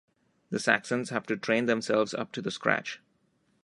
The Saxons have to train themselves up to the scratch.